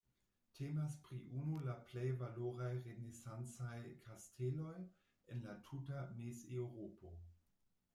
Temas pri unu la plej valoraj renesancaj kasteloj en la tuta Mezeŭropo.